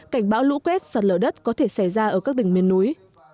cảnh báo lũ quét sạt lở đất có thể xảy ra ở các tỉnh miền núi